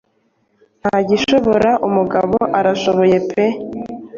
ntagishobora umugabo arashoboye pe